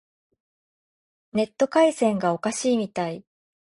ネット回線がおかしいみたい。